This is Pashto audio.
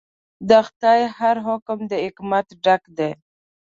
د خدای هر حکم د حکمت ډک دی.